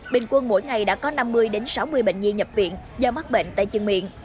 bình quân mỗi ngày đã có năm mươi sáu mươi bệnh nhi nhập viện do mắc bệnh tay chân miệng